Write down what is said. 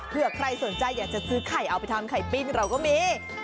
เพื่อใครสนใจอยากจะซื้อไข่เอาไปทำไข่ปิ้งเราก็มี